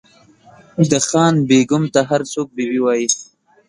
د خان بېګم ته هر څوک بي بي وایي.